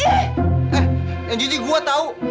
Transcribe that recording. eh yang cici gua tau